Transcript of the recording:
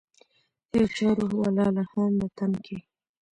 د یو چا روح و لا لهانده تن کي